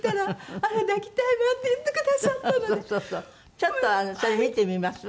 ちょっとそれ見てみます？